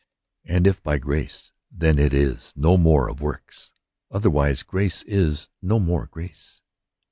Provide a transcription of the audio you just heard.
And if bygrace^ then it is no m^re of works : otherwise grace is no more grace.